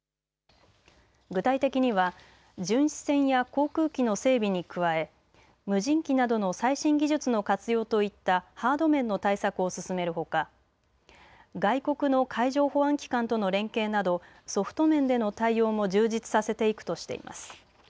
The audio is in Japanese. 具体的には巡視船や航空機の整備に加え無人機などの最新技術の活用といったハード面の対策を進めるほか外国の海上保安機関との連携などソフト面での対応も充実させていくとしています。